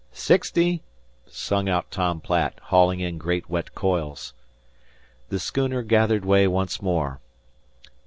"Sixty," sung out Tom Platt, hauling in great wet coils. The schooner gathered way once more.